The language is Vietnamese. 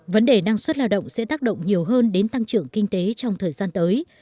vấn đề năng suất lao động sẽ tác động nhiều hơn đến tăng trưởng kinh tế trong thời gian tới